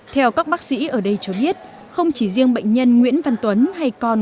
theo các bác sĩ ở đây cho biết không chỉ riêng bệnh nhân nguyễn văn tuấn